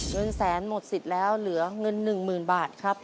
เงินแสนหมดสิทธิ์แล้วเหลือเงินหนึ่งหมื่นบาทครับ